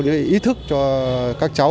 những ý thức cho các cháu